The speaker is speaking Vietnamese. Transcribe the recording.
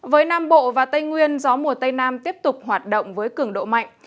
với nam bộ và tây nguyên gió mùa tây nam tiếp tục hoạt động với cường độ mạnh